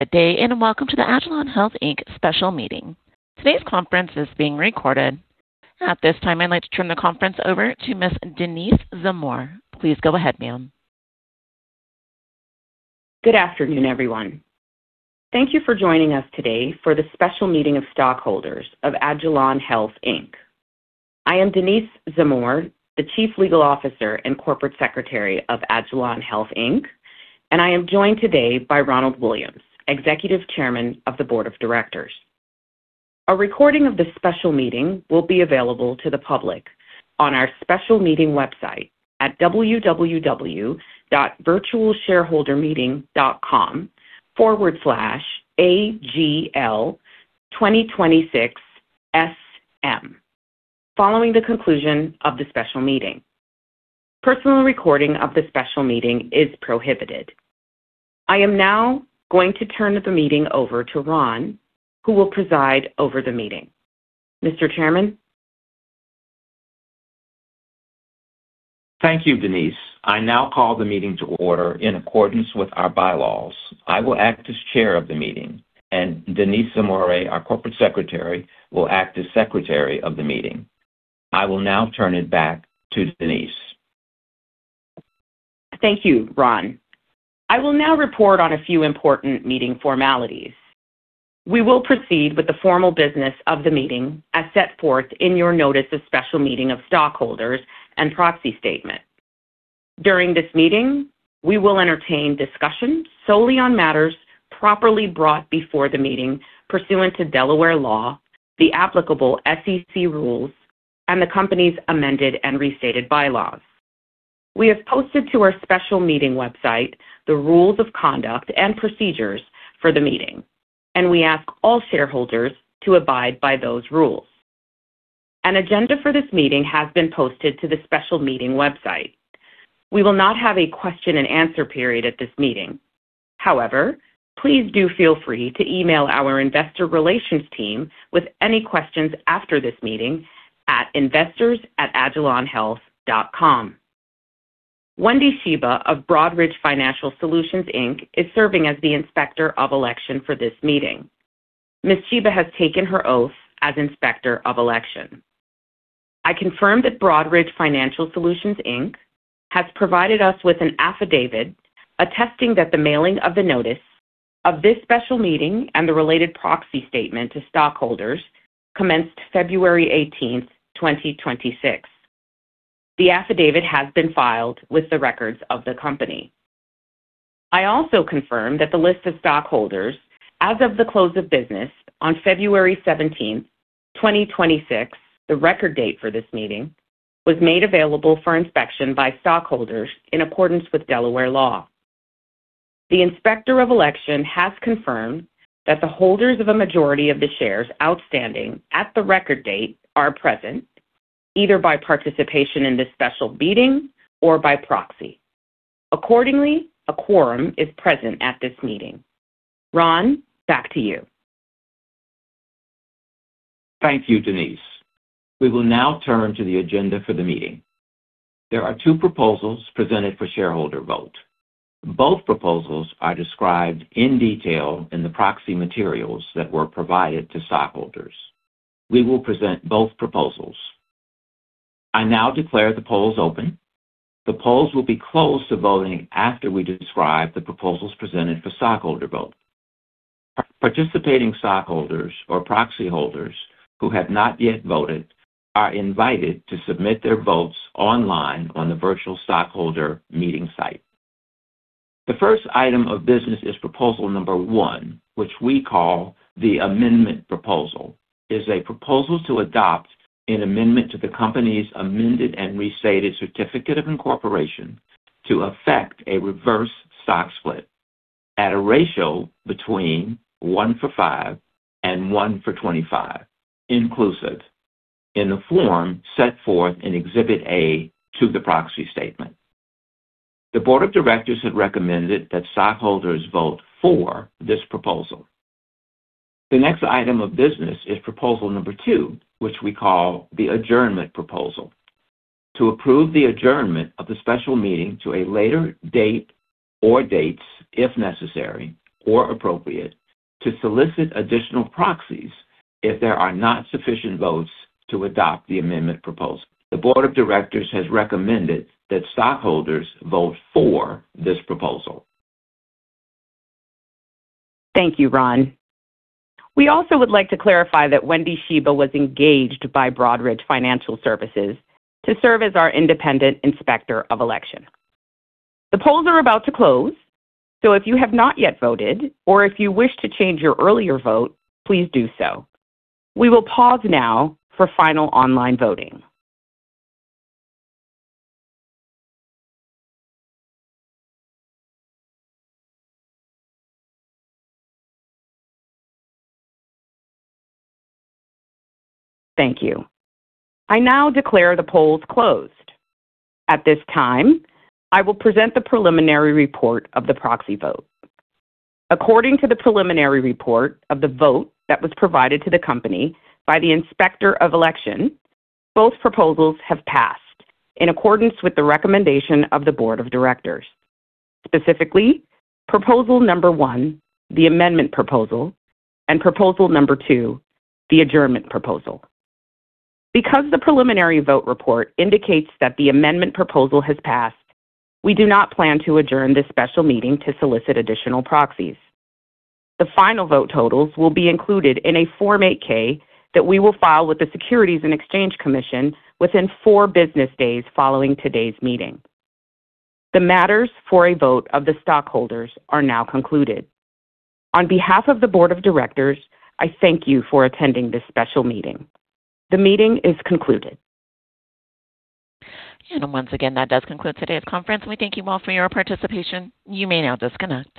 day, welcome to the agilon health Inc. special meeting. Today's conference is being recorded. At this time, I'd like to turn the conference over to Ms. Denise Zamore. Please go ahead, ma'am. Good afternoon, everyone. Thank you for joining us today for the special meeting of stockholders of agilon health Inc. I am Denise Zamore, the Chief Legal Officer and Corporate Secretary of agilon health Inc., and I am joined today by Ronald Williams, Executive Chairman of the Board of Directors. A recording of this special meeting will be available to the public on our special meeting website at www.virtualshareholdermeeting.com/agl2026sm following the conclusion of the special meeting. Personal recording of the special meeting is prohibited. I am now going to turn the meeting over to Ron, who will preside over the meeting. Mr. Chairman? Thank you, Denise. I now call the meeting to order in accordance with our bylaws. I will act as Chair of the meeting, and Denise Zamore, our Corporate Secretary, will act as Secretary of the meeting. I will now turn it back to Denise. Thank you, Ron. I will now report on a few important meeting formalities. We will proceed with the formal business of the meeting as set forth in your notice of special meeting of stockholders and proxy statement. During this meeting, we will entertain discussions solely on matters properly brought before the meeting pursuant to Delaware law, the applicable SEC rules, and the company's amended and restated bylaws. We have posted to our special meeting website the rules of conduct and procedures for the meeting, and we ask all shareholders to abide by those rules. An agenda for this meeting has been posted to the special meeting website. We will not have a question and answer period at this meeting. However, please do feel free to email our investor relations team with any questions after this meeting at investors@agilonhealth.com. Wendy Shiba of Broadridge Financial Solutions Inc. Is serving as the Inspector of Election for this meeting. Ms. Shiba has taken her oath as Inspector of Election. I confirm that Broadridge Financial Solutions Inc. has provided us with an affidavit attesting that the mailing of the notice of this special meeting and the related proxy statement to stockholders commenced February 18, 2026. The affidavit has been filed with the records of the company. I also confirm that the list of stockholders as of the close of business on February 17, 2026, the record date for this meeting, was made available for inspection by stockholders in accordance with Delaware law. The Inspector of Election has confirmed that the holders of a majority of the shares outstanding at the record date are present, either by participation in this special meeting or by proxy. Accordingly, a quorum is present at this meeting. Ron, back to you. Thank you, Denise. We will now turn to the agenda for the meeting. There are two proposals presented for shareholder vote. Both proposals are described in detail in the proxy materials that were provided to stockholders. We will present both proposals. I now declare the polls open. The polls will be closed to voting after we describe the proposals presented for stockholder vote. Participating stockholders or proxy holders who have not yet voted are invited to submit their votes online on the virtual stockholder meeting site. The first item of business is proposal number one, which we call the amendment proposal, is a proposal to adopt an amendment to the company's amended and restated certificate of incorporation to effect a reverse stock split at a ratio between one-for-five and one-for-25, inclusive, in the form set forth in Exhibit A to the proxy statement. The Board of Directors had recommended that stockholders vote for this proposal. The next item of business is proposal number two, which we call the adjournment proposal, to approve the adjournment of the special meeting to a later date or dates, if necessary or appropriate, to solicit additional proxies if there are not sufficient votes to adopt the amendment proposal. The Board of Directors has recommended that stockholders vote for this proposal. Thank you, Ron. We also would like to clarify that Wendy Shiba was engaged by Broadridge Financial Solutions Inc. to serve as our Independent Inspector of Election. The polls are about to close, so if you have not yet voted or if you wish to change your earlier vote, please do so. We will pause now for final online voting. Thank you. I now declare the polls closed. At this time, I will present the preliminary report of the proxy vote. According to the preliminary report of the vote that was provided to the company by the Independent Inspector of Election, both proposals have passed in accordance with the recommendation of the Board of Directors. Specifically, proposal number one, the amendment proposal, and proposal number two, the adjournment proposal. Because the preliminary vote report indicates that the amendment proposal has passed, we do not plan to adjourn this special meeting to solicit additional proxies. The final vote totals will be included in a Form 8-K that we will file with the Securities and Exchange Commission within four business days following today's meeting. The matters for a vote of the stockholders are now concluded. On behalf of the Board of Directors, I thank you for attending this special meeting. The meeting is concluded. Once again, that does conclude today's conference. We thank you all for your participation. You may now disconnect.